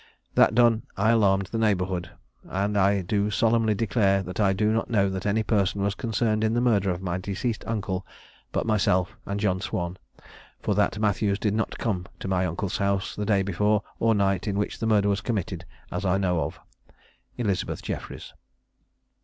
That done, I alarmed the neighbourhood. And I do solemnly declare that I do not know that any person was concerned in the murder of my deceased uncle but myself and John Swan; for that Matthews did not come to my uncle's house the day before, or night in which the murder was committed as I know of. "ELIZABETH JEFFRIES."